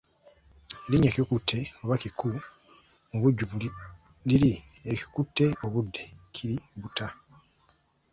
Erinnya Kikutte oba kiku mubujjuvu liri Ekikutte obudde kiributa.